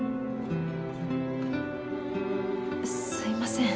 すいません。